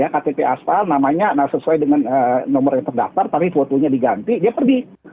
ktp aspal namanya sesuai dengan nomor yang terdaftar tapi fotonya diganti dia pergi